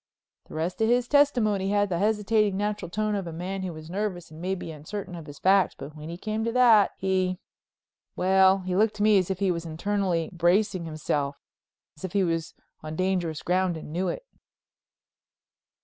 The rest of his testimony had the hesitating, natural tone of a man who is nervous and maybe uncertain of his facts, but when he came to that he—well, he looked to me as if he was internally bracing himself, as if he was on dangerous ground and knew it."